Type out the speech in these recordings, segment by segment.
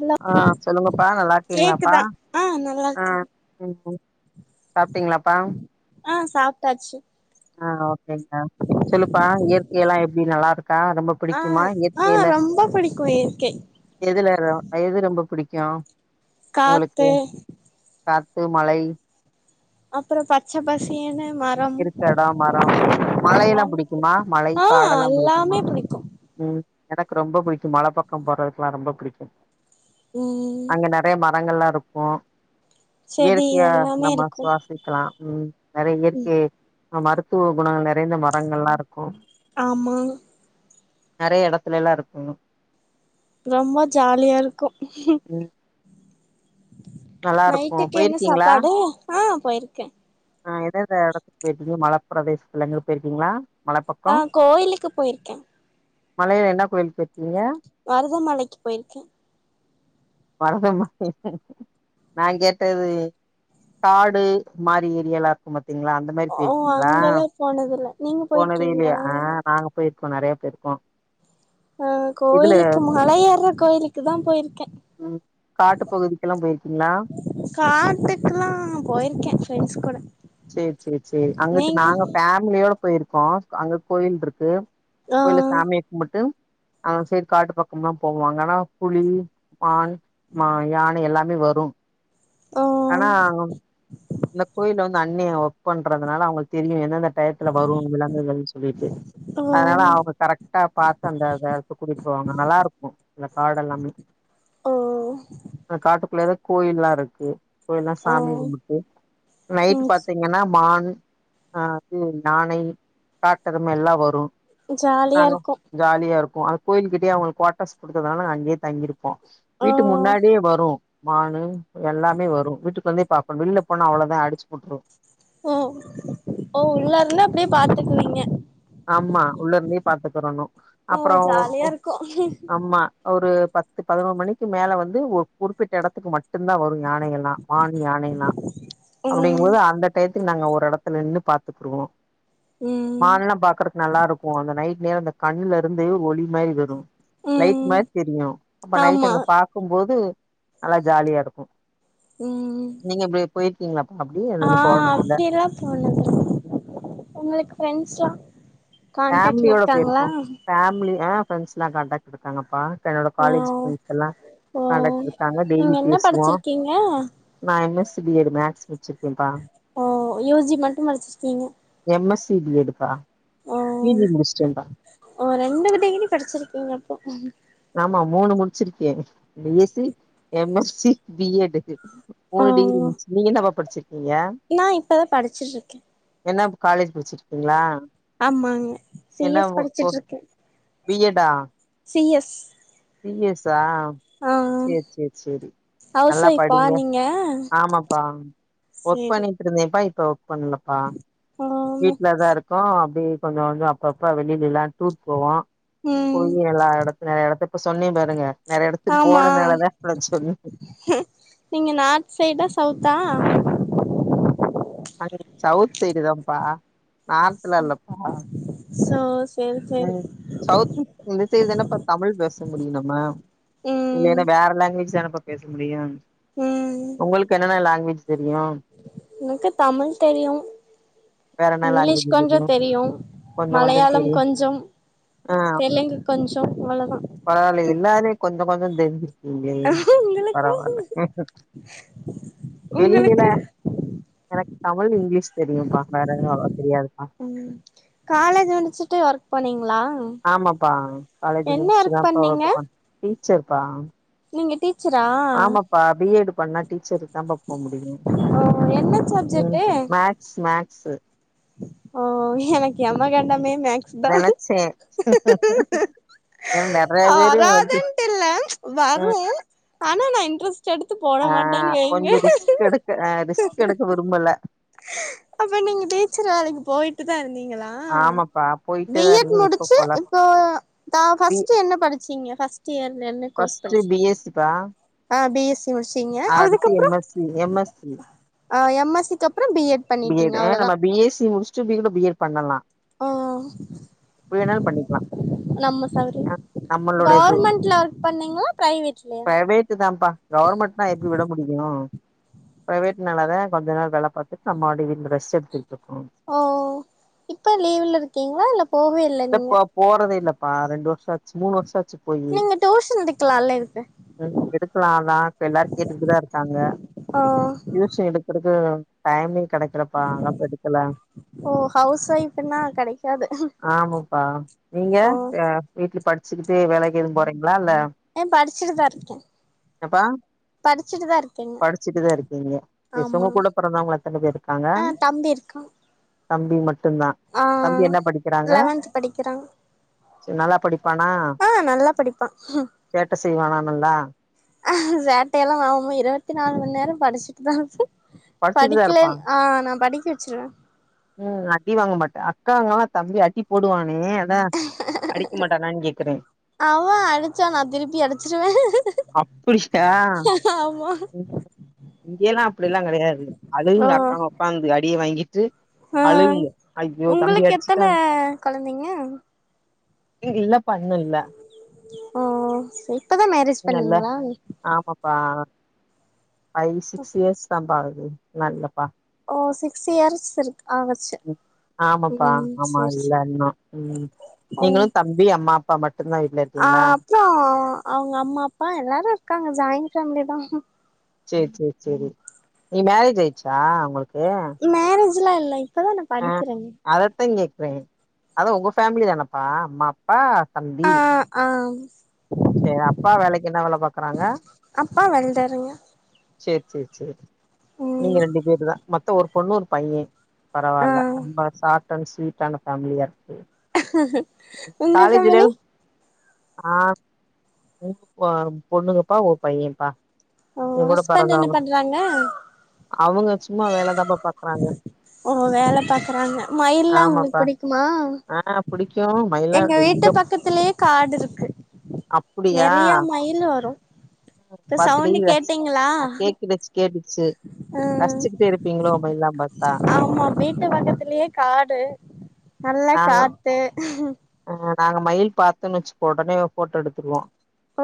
Hello ஆ சொல்லுங்கப்பா நல்லா இருக்கீங்ளாப்பா கேக்குதா ஆ நல்லா ஆ இருக்குது உம் சாப்பிட்டீங்களாப்பா ஆ சாப்ட்டாச்சு ஆ ஓக்கேங்களா சொல்லுப்பா இயற்கைல்லா எப்டி நல்லா இருக்கா ரொம்ப பிடிக்குமா இயற்கையில க்கு இயற்கை எதுல ஏறும் எது ரொம்ப பிடிக்கு உங்களுக்கு காத்து காத்து மழை அப்புறோ பச்ச பசேன்னு மா இருக்க எடம் மரம் மழையெல்லாம் புடிக்குமா மழை பிடிக்கு ஆ காடெல்லாம் புடிக்குமா எல்லாமே பிடிக்கு உம் எனக்கு ரொம்ப புடிக்கும் மலப்பக்கம் போறதுல்லா ரொம்ப புடிக்கும் ம் இங்க நெறைய மரங்கள்ளா இருக்கு செடி இயற்கைய எல்லாமே நம்ம இருக்கு சுவாசி இருக்கலா ம் நெறைய ம் இயற்கை மருத்துவ குணங்கள் நிறைந்த மரங்கள்ளா இருக்கும் ஆமா நெறைய இடத்துலல்லா இருக்கும் ரொம்ப ஜாலியா இருக்கும் ம் நல்லா இருக்கு நைட்டுக்கு என்ன போயிருக்கீங்களா சாப்பாடு ஆ போயிருக்கே ஆ எந்த எந்த எடத்துக்கு போயிருக்கீங்க மல பிரதேசத்ல எங்கையாவது போயிருக்கீங்களா மல பக்கோ ஆ கோயிலுக்கு போயிருக்கே மலையில என்ன கோயிலுக்கு போய்ருக்கீங்க மருதமலைக்கு போயிருக்கே மருத மலை நா கேட்டது காடு மாறி ஏரியல்லா இருக்கு பாத்தீங்களா அந்த அந்த மாறி ஓ போயிருக்கீங்ளா அங்கெல்லா போனதில்ல நீங்க போனதே இல்லையா ஆ போயிருக்கீங்களா நாங்க போயிருக்கோ நெறைய போய் இருக்கோ ஆ கோயிலுக்கு மலை ஏர்ர கோயிலுக்கு தா போயிருக்கே ம் காட்டு பகுதிக்கெல்லா போயிருக்கீங்களா காட்டுக்லாம் போயிருக்கே ஃப்ரெண்ட்ஸ் கூட சேரி சேரி சேரி அங்கட்டு நீங்க நாங்க ஃபேமிலியோட போயிருக்கோ அங்க கோயில்டுருக்கு ஆ கோயில்ல சாமி கும்பிட்டு ஆ சரி காட்டு பக்கம்லா போவாங்க ஆனா புளி மான் மா யானை எல்லாமே வரு ஆ ஆனா இந்த கோயில வந்து அண்ணிய ஒர்க் பண்றதுனால அவங்களுக்கு தெரியு எந்தெந்த டயத்துல வரு [unintelligible] சொல்லிட்டு ஆ அதனால அவுங்க கரெக் கா பாத்து அந்த இத்து கூட்டிகிட்டு போவாங்க நல்லா இருக்கு இல்ல காடு எல்லாமே ஓ அந்தக் காட்டுக்குள்ளேதாக் கோயில்ல இருக்கு கோயில்லா ஓ சாமி கும்புட்டு நைட்டு ம் பாத்தீங் எனா மான் ஆ அது யானை காட்டெரும எல்லா வரு ஜாலியாருக்கு ஜாலியாருக்கு அந்தக் கோயில்கிட்டியே அவுங்களுக் குவாட்டஸ் குடுத்ததுனால அங்கியே தங்கிருப் போ ஆ வீட்டு முன்னாடியே வரு மானு எல்லாமே வரு வீட்டுக்ளந்தேப் பாப் இப்ப வில்லப் போனா அவ்ளதா அடிச்சு போட்ரு ஓ ஓ உள்ளருந்தா அப்டியேப் பாத்துக்வீங்க ஆமா உள்ள இருந்தே பாத்துக்கரணு ஓ அப்புறோ ஜாலியா இருக்கு ஆமா ஒரு பத்து பதினொரு மணிக்கு மேல வந்து குறிப்பிட்ட எடத்துக்கு மட் மட்டு்ந்தா வரும் யானைல்லா மான் யானைல்லா ம் அப்படிங்கும்போது அந்த டையத்துக்கு நாங்க ஒரு எடத்துல நின்னு பாத்துக்குடுவோம் ம் மானல்லா பாக்குறக்கு நல்லா இருக்கும் நைட் நேரோ அந்த கண்ணுல இருந்து ஒளி மாரி வரும் லைட் ம் மாறி தெரியும் அப்ப நைட் ஆமா அங்க பாக்கும் போது நல்லா ஜாலியா இருக்கும் உம் ம் ம் நீங்க இப்படி போயிருக்கீங்களாப்பா அப்டி இனி போனதுஇல்ல தோன்னதில்ல உங்களுக்கு ஃப்ரெண்ட்ஸ்லா கான்டெக்ட்ல ஃபேமிலியோட இருக்காங்களா போயிருக்கோம் ஃபேமிலி அ ஃப்ரெண்டஸ் எல்லா காண்டக்ட் இருக்காங்கப்பா என்னோட காலேஜ் ஓ ப்ரண்ட்ஸ் எல்லாம் ஓ கான்டெக்ட் இருக்காங்க நீங்க டெய்லியு என்ன பேசுவோ படிச்சிருக்கீங்க நா M S C B Ed maths வச்சிருக்கேன்ப்பா ஓ யூ. ஜி மட்டு படிச்சிருக்கீங்க M S C B Ed பா ஓ பிஜி முடிச்சிட்டேன்பா ஓ ரெண்டு டிகிரி படிச்சிருக்கீங்க அப்போ ஆமா மூணு முடிச்சிருக்கே B S C M S C B Ed மூணு டிகிரி ஓ முட்சு நீங்க என்னப்பா படிச்சிருக்கீங்க நா இப்பதாப் படிச்சுட்ருக்கே என்ன இப் காலேஜ் படிச்சிட்ருக்கீங்ளா ஆமாங்க சி எஸ் படிச்சுட்ருக்கே பி எட் டா சி எஸ் சி எஸ் ஸா ஆ சேர் சேர் சேரி ஹவுஸ் நல்லா ஒய்ஃபா படிங்க நீங்க ஆமாப்பா ஒர்க் சேரி பண்ணிட்டு இருந்தேப்பா இப்ப ஒர்க் பண்ணலப்பா ஆமா வீட்லதா இரு க்கோ அப்டியே கொஞ்ச கொஞ்ச அப்பப்ப வெளியிலல்லா டூர் போவோ ம் போயி எல்லா எடத்துல எடத்து இப்ப சொன்னே பாருங்க நெறையஎடத்துக்கு ஆமா போனனாலத இவ்ளோ சொன்னே நீங்க நார்த் சைடா சவுத்தா அ சவுத் சைடு தாம்ப்பா நார்த்லா இல்லப்பா சோஸ் ம் சவுத் இந்த சைடு தானப்பா தமிழ் பேச முடியு நம்ம ம் இல்லன்னா வேற லாங்குவேஜ் தானப்பா பேச முடியு ம் உங்களுக்கு என்னென்ன லாங்குவேஜ் தெரியு எனக்கு தமிழ் தெரியு வேற என்ன இங்கிலீஷ் லாங்குவேஜ் கொஞ்சோ தெரியு கொஞ்ச கொஞ்ச மலையாளம் தெரியு கொஞ்சம் தெலுங்கு கொஞ்சம் அவ்ளதா பரவால்லயே எல்லா இதுலயு கொஞ்ச கொஞ்ச தெரிஞ்சு [unintelligible] உங்களுக்கு பரவால்ல வெளிலில உங்களுக்கு எனக்கு தமிழ் இங்கிலீஷ் தெரியும்ப்பா வேற எதுவு அவ்வளவா தெரியாதுப்பா ம் காலேஜ் முடிச்சுட்டு ஒர்க் போனீங்ளா ஆமாப்பா காலேஜ் முடிச்ட்டு தாம்ப்பா பண்ணீங்க வொர்க் போ டீச்சர்ப்பா நீங்க டீச்சரா பா பி எட்டு பண்ணா டீச்சருக்கு தா போ முடியு ஓ என்ன ம் சப்ஜெக்ட்டு மேக் ஸ்மேக்ஸூ ஓ எனக்கு எமகண்டமே மேக் நெனச்சே ஏ நெறைய பேரு வந்து வராதுன்ட்டு இல்ல அ வரு ஆனா நா இன்ட்ரெஸ்ட் எடுத்து போட ஆ மாட்டேன்னு வைங்க கொஞ்ச ரிஸ்க் எடுக்க ஆ ரிஸ்க் எடுக்க விரும்பல அப்ப நீங்க டீச்சர் வேலைக்கு போயிட்டு தா இருந்தீங்களா ஆமாப்பா போயிட்டே பி தா எட் இருந்தே இப்ப முடிச்சு போல இப்போ தா பி ஃபஸ்ட்டு என்ன படிச்சீங்க ஃபஸ் ட்டு என் என்ன கோர்சு ஃபஸ்ட்டு படிச் பி எஸ் சி பா ஆ பி எஸ் த்து முட்ச்சீங்க அடுத்து அதுக்கப்றோ M S C M S C அ எம் எஸ் சி க்கு அப்றோ பி எட் பி பண்ணிட்டீங்க எட்டு அ அவ்ளோதா நம்ம பி எஸ் சி முடிச்சட்டு கூட பி எட் பண்ணலா ஆ வேணால் பண்ணிக்கலா நம்ம சௌரி ஆ நம்மளோட இது கவர்மெண்ட்ல ஒர்க் பண்ணீங்ளா பிரைவேட்லயா பிரைவேட்டு தாப்பா கவர்மெண்ட்னா எப்டி விட முடியு பிரைவேட்னால தா கொஞ்ச நாள் வேலை பாத் துட் நம்மாட்டு இருந்து ரெஸ்ட் எடுத்துட்ருக்கோ ஓ இப்ப லீவ்ல இருக்கீங்ளா இல்ல போகவே இல்ல நீங்க இல்லப்ப போறதே இல்லப்பா ரெண்டு வருஷ ஆச்சு மூணு வருஷ ஆச்சு நீங்க டூஷன் எடுக்கலா நல்ல இருக்கு எடுக்கலாலா இப்ப எல்லாரு கேட்டுட்டுதா இருக்காங்க ஓ [inaudible] எடுக்கறக்கு டைமிங் கெடைக்கிலப்பா அதாப்ப எடுக்கல ஓ ஹவுஸ் ஒய்ஃப்ன்னா கடைக்காது ஆமாப்பா நீங்க ஆ வீட்ல படிச்சக்கிட்டு வேலைக்கு எதுவு போறீங்களா இல்ல ஏ படிச்சுட்டுதா இருக்கே எப்பா படிச்சுட்டுதா இருக்கேங்க படிச்சுட்டுதா இருக்கீங்க சஎஸ் உங்க ஆமா கூட பிறந்தவங்க எத்தன பேர் இருக்காங்க ஆ தம்பி இருக்கா தம்பி மட்டு தா ஆ தம்பி என்ன படிக் [unintelligible] லெவன்த் படிக்கிறான் நல்லா படிப்பானா ஆ நல்லா படிப்பான் சேட்ட செய்வாணா நல்லா சேட்டைய எல்லா ஆகமோ இருவத்தி நாலு மண் நேர படிச்சுட்டு தா இருப்பொ படிச்சுட்டுதா இருப்பா படிக்கலன் ஆ நா படிக்க வச்சிருவே ம் அடி வாங்க மாட்ட அக்காங்கல்லா தம்பி அடி போடுவானே அதா அடிக்க மாட்டானான்னு கேக்குறே அவ அடிச்சா நா திருப்பி அடிச்சிருவே அப்புடியா ஆமா இங்கயெல்லா அப்டியஎல்லா கிடையாது ஓ அலுவுங்க அக்காவு ஒக்காந்து அடிய வாங்கிட்டு ஆ அழுங்க ஐயோ தம்பி உங்களுக்கு எத்தன அடிச்சிட்டா கொழந்தைங்க இல்லப இன்னு இல்லைபண் ஓ இப்பதா மேரேஜ் நல்ல பண்ணீங்களா ஆமாப்பா ஃபைவ் சிக்ஸ் இயர்ஸ் தாப்பா ஆகுது நல்லப்பா ஓ சிக்ஸ் இயர்ஸ் இருக்கு ஆகுது ஆமாப்பா ஆமா இல்ல சேரி இன்னு ம் ஓ நீங்களு தம்பி அம்மா அப்பா மட்டுந்தா வீட்டுல இருக்கீங்ளா அப்பறோ அவுங்க அம்மா அப்பா எல்லாரு இருக்காங்க ஜாயின் ஃபேமிலி தா சேரி செரி சேரி நீ மேரேஜ் ஆயிச்சா உங்களுக்கு மேரேஜ்லா இல்லை ஆ அதைத்தா கேக்குறே அத உங்க ஃபேமிலி தானப்பா அம்மா அப்பா தம்பி ம் செரி அப்பா வேலைக்கு என்ன வேல பாக்குறாங்க அப்பா வெல்டருங்க செர் செர் செரி நீங்க ம் ரெண்டு பேரு தா மத்த ஒரு பொண்ணு ஒரு பையன் ஆ பரவால்ல நம்ப சாட் அண்ட் ஸ்வீட் டான ஃபேமிலியாருக்கு உங்க ஃபேமிலி காலேஜிலல் ஆ உ உ பொண்ணுங்கப்பா ஓ பையன்பா ஓ ஹஸ்பண்ட் என்ன பண்றாங்க அவுங்க சும்மா வேலதான்ப்ப பாக்குறாங்க ஓ வேல பாக்குறாங்க மயில்ல்லா உங்களுக்கு ஆமாப்பா புடிக்குமா ஆ புடிக்கு மயிலா எங்க வீட்டு இங்க பக்கத்துலயே காடுருக்கு அப்டியா நெறைய. மயிலு இப்ப பர்த்டே சவுண்ட் ரஸ் கேட்டீங்களா அ கேட்டுடுச்சு கேட்டுச்சு ம் ரசிச்சுக்கிட்டே இருப்பீங்ளோ மயில்லா பாத்தா விட்டு பக்கத்திலயே காடு நல்லா காத்து உங்க நாங்க மயில் பாத்தன்னு வச்சுக்கோ உடனே ஒரு போட்டோ எடுத்துருவோ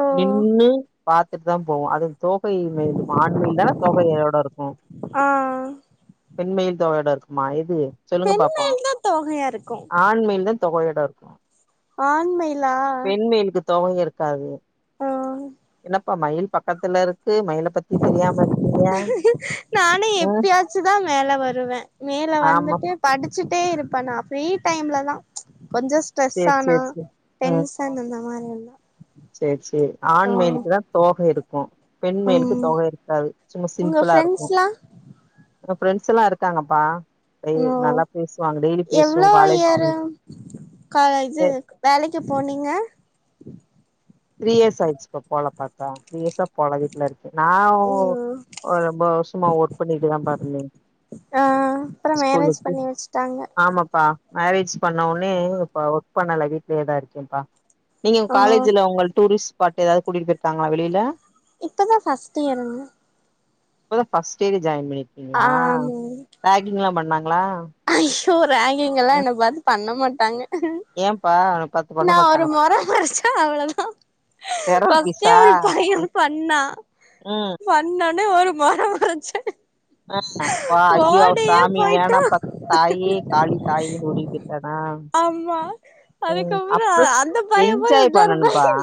ஓ நின்னு பாத்துட்டு தா போவோ அது தோகை [unintelligible] இருக்கு ஆண் மயில் தான தோகையோட இருக்கும் ஆ பெண் மயில் தோகையோட இருக்குமா எது சொல்லுங்க பெண் பாப்போ மயில் தா தோகையா இருக்கு ஆண் மயில் தா தோகையோட இருக் ஆண் மயி பெண் மயிலுக்கு தோக இருக்காது ஓ என்னப்பா மயில் பக்கத்துல இருக்கு மயில பத்தி தெரியாம இருக் நானே எப்பயாச்சு தா மேல வருவே மேல ஆமா வந்துட்டு படிச்சுட்டே இருப்பேன் நான் ஃப்ரீ டைம்ல தான் கொஞ்ச ஸ்ட்ரெஸ் சேரி ஆனா சேரி சேரி டென்ஸ் தண்ணந்தான் மாறி எல்லா செரி செரி ஆண்மயிலுக்குதான் தோக இருக்கும் பெண் மயலுக்கு ம் தோக இருக்காது சும்மா உங்க சிம்பிளா இருக்கும் ஃப்ரெண்ட்ஸ்லா எங்க ஃப்ரெண்ட்ஸ் எல்லா இருக்காங்கப்பா் டெய் ஓ நல்லா பேசுவாங்க டெய்லி பேசுவோ காலேஜ் காலேஜி வேலைக்கு போனீங்க த்ரீ இயர்ஸ் ஆயிருச்சுப்பா போல பாத்தா த்ரீ இயர்ஸா பொழகீட்டுல இருக்கே நா ம் ஒரு ஒம்போது வருஷமா ஒர்க் பண்ணிட்டுதாப்பா இருந்தே ஆ அப்றோ மேரேஜ் ஸ்கூலுக்கு பண்ணி வச்சுட்டாங்க ஆமாப்பா மேரேஜ் பண்ண உன்னே இப்ப ஒர்க் பண்ணல வீட்லயேதா இருக்கேன்ப்பா நீங்க எங்க ஓ காலேஜ்ல உங்கள டூரிஸ்ட் ஸ்பாட்டு ஏதாவது கூட்டிட்டு போய்ருக்காங்ளா வெளில இப்பதா ஃபர்ஸ்ட் இறங்கு இப்பதா ஃபர்ஸ்ட் இயரே ஜாயின் பண்ணிருக்கீங்ளா ஆமா ரேக்கிங் எல்லா பண்ணாங்ளா ஐயோ ரேகிங் எல்லா என்ன பாத்து பண்ண மாட்டாங்க ஏன்ப்பா உன்ன பாத்து பண்ண நான் ஒரு மாட்டாங்க மொர மொரச்ச அவ்ளோதா டெரர் பஸ்டே பீஸா ஒரு பைய ம் பண்ணா ம், பண்ணோன்னே ஒரு மொர மொரச்ச ஆஹ வா ஐயோ சாமி போயிட்டா வேணாப்பா தாயே காளி தாயே ஓடிக்கிட்டன ஆமா அதுக்கப்புறம் அந்த பையன் போய் என்ஜாய் இன்னொரு பண்ணணும்ப்பா பையன்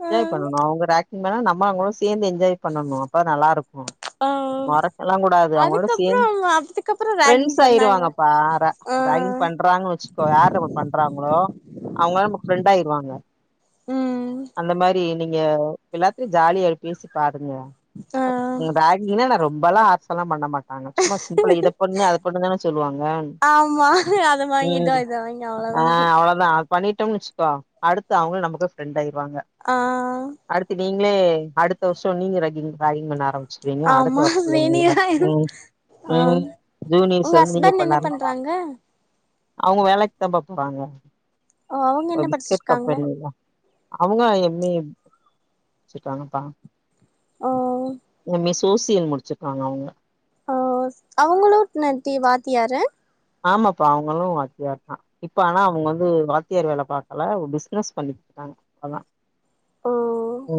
என்ஜாய் பண்ணணும் அவங்க ரேக்கிங் பண்ணா நம்ம அவங்களும் சேந்து என்ஜாய் பண்ணணும் அப்ப நல்லா இருக்கும் ஆ மொறைக்கல்லாம் கூடாது அவங்களோட அதுக்கப்றோ சேந்து அதுக்கப்றோ ரேகிங் ப்ரெண்ட்ஸ் பண்ணாங்க ஆயிடுவாங்க பார ஆ ராக்கிங் பண்றாங் வெச்சு இப்ப யாரு நம்ம பண்றாங்களோ அவங்களா நமக் ஃப்ரெண்ட் ஆயிருவாங்க ம் அந்த மாரி நீங்க எல்லாத்தையும் ஜாலியா பேசி பாருங்க ஆ ரேக்கிங் நான் ரொம்பலாம் ஆச எல்லாம் பண்ண மாட் டாங்க சும்மா சிம்பிளா இதை பண்ணு அதை பண்ணு தானே சொல்லுவாங்க ஆமா அத வாங்கிட்டோ உம் இத வாங்கிட்டோ ஆ அவ்ளோதா அவ்ளோதான் அது பண்ணிட்டம் வச்சுக்கோ அடுத்து அவங்களும் நமக்கு ஃப்ரெண்ட் ஆயிருவாங்க ஆ அடுத்து நீங்களே அடுத்த வருஷம் நீங்க ராக்கிங் ராக்கிங் பண்ணா ஆரம் சரிங்களா அடுத்து ஆமா வர பிள்ளைங்கள சீனியர் ஆயிரு உம் ஆ உம் ஜூனியர்ச உங்க வந்து நீங்க ஹஸ்பண்ட் பண்ணா என்ன ஆர பண்றாங்க அவங்க வேலைக்கு தான் பா போறாங்க ஓ அவங்க என்ன பிஸ்கட் படிச்சிருக்காங்க கம்பெனில அவங்க எம் எ முடிச்சிட்டாங்க பா ஓ எம் எ சோசியல் முடிச்சிருக்காங்க அவங்க ஆ அவங்களும் நத்தி வாத்தியாரு ஆமாப்பா அவங்களு வாத்தியாரு தா இப்ப ஆனா அவங்க வந்து வாத்தியார் வேல பாக்கல பிசினஸ் பண்ணிட்டு இருக்காங்க அதா ஓ ஓ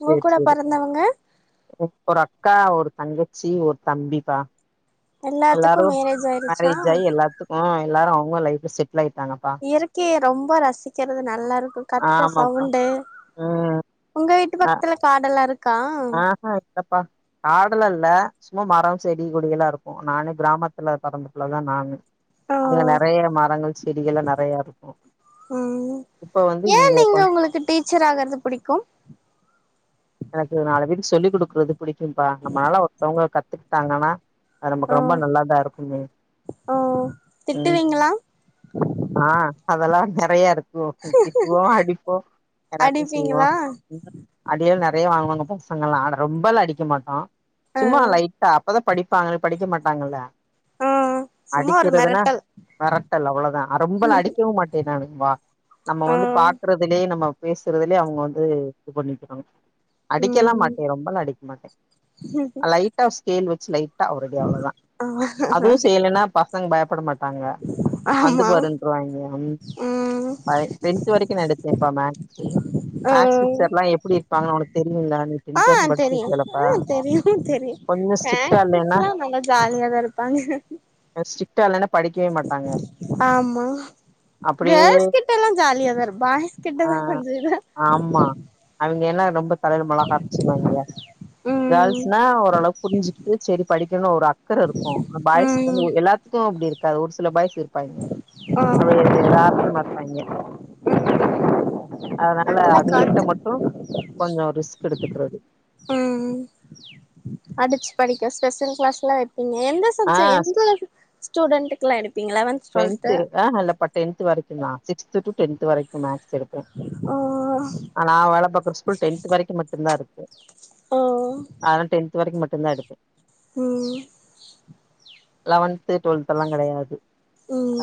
உங்க சேரி கூட சேரி பொறந்தவங்க ஒரு அக்கா ஒரு தங்கச்சி ஒரு தம்பிப்பா எல்லாத்துக்கு எல்லாரு மேரேஜ் ஆயிடுச்சு மேரேஜ் ஆயி எல்லாத்துக்கு எல்லாரு அவங்க லைஃப்ல செட்டில் ஆயிட்டாங்கப்பா இயற்கைய ரொம்ப ரசிக்கிறது நல்லா இருக்கு கத்துற ஆமாப்பா சவுண்டு ம் உங்க வீட்டு பக்கத்துல காடெல்லா இருக்கா ஆ ஆஹா இல்லப்பா காடெல்லா இல்ல சும்மா மரோ செடி கொடியெல்லா இருக்கு நானு கிராமத்துல பிறந்த பிள்ளதா நானு ஓ அங்க நிறைய மரங்கள் செடிகள்ல்லா நெறையா இருக்கும் ம் இப்ப வந்து ஏ இங்க இப்போ நீங்க உங்களுக்கு டீச்சர் ஆகிறது பிடிக்கும் எனக்கு நாலு பேருக்கு சொல்லிக் கொடுக்குறது பிடிக்கும்பா நம்மளால ஒருத்தவங்க கத்துக்கிட்டாங்கன்னா ஓ நமக்கு ரொம்ப நல்லாதா இருக்குமே ஓ ம் திட்டுவீங்களா ஆ அதெல்லா நிறைய இருக்கு திட்டுவோ அடிப்போ அடிப்பீங்களா அடியல்லா நிறைய வாங்குவாங்க பசங்க எல்லா ஆ ரொம்பலா அடிக்க மாட்டோ ஆ சும்மா லைட்டா அப்பதா படிப்பாங்க இல்லனா படிக்க மாட்டாங்கல்ல ஆ சும்மா ஒரு அடிக்கிறதுன்னா மெரட்டல் மிரட்டல் அவ்ளவுதா நா ரொம்பலா அடிக்கவு மாட்டே நானுப்பா நம்ம ஆ வந்து பாக்குறதுலயே நம்ம பேசுறதுலயே அவங்க வந்து இது பண்ணிக்கணு அடிக்கலா மாட்டே ம் ரொம்பலா அடிக்க மாட்டே லைட்டா ஆ ஸ்கேல் வச்சு லைட் டா ஒரு அடி அவ்வளவுதா ஆ அதுவு செய்யலைன்னா பசங்க பயப்பட மாட் டாங்க வந்து ஆமா பாருன்ருவாங்க ம் டென்த் வரைக்கு எடுத்தேன்ப்பா மேக்க்ஷூ ஆ மேக்ஸ் டீச்சர் எல்லா எப்டி இருப்பாங்க உனக்கு தெரியுல்ல நீ ஆ டென்த் வரைக்கு தெரியு படிச்சிருக்கேலப்பா ஆ தெரியு தெரியு கொஞ்சோ ஸ்ட்ரிக்டா மேக்ஸ் இல்லைன்னா டீச்சர்லா நல்லா ஜாலியாதா இருப் பாங்க நா ஸ்ட்ரிக்ட்டா இல்லனா ஆமா அப்டியே கேர்ள்ஸ் கிட்டல்லா ஜாலியா தா இருப்போ பாய்ஸ் ஆ கிட்டதா கொஞ்சோ இதா இருப்போ ஆமா அவுங்க என்ன ரொம்ப தலயில மொளகா அரைச்சிர்வாங்கே ம் கேர்ள்ஸ்னா ஓரளவுக் புரிஞ்சுகிட்டு செரி படிக்கணு ஒரு அக்கற இருக்கு பாய்ஸ் வந்து ம் ஒ எல்லார் மொத்தோ அப்டி இருக்காது ஒரு சில பாய்ஸ் இருப்பாங்க ஆ அப்டி எதார்த்தமா இருப்பாய்ங்க அதனால நல்ல அவிங்க கிட்ட காத்து மட்டு கொஞ்சோ ரிஸ்க் எடுத்துக்கிறது ம் அடிச்சு படிக்க ஸ்பெஷல் கிளாஸ் லா வப்பீங்க எந்த ஆ சப்ஜெ எந்த ஸ்டூடெண்டுக் லா எடுப்பீங்களா லவந்த் டென்த் ஆ இல்லப்பா டென்த் வரைக்கு தா சிக்ஸ்த் டு டென்த் வரைக்கு மேக்ஸ் எடுப்பே ஆ ஆ நான் வேல பாக்ற ஸ்கூல் டென்த் வரைக்கு மட்டுமந்தா இருக்கு ஓ அதா டென்த் வரைக்கு மட்டு தா எடுப்பே ம் லெவன்த் டுவெல்த் லா கெடயாது ம்